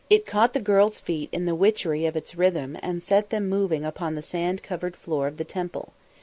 It caught the girl's feet in the witchery of its rhythm and set them moving upon the sand covered floor of the Temple.